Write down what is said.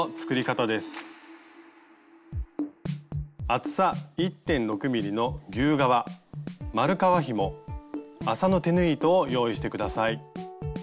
厚さ１．６ｍｍの牛革丸革ひも麻の手縫い糸を用意して下さい。